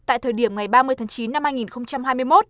tại thời điểm ngày ba mươi tháng chín năm hai nghìn hai mươi một